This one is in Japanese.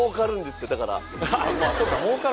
そうか。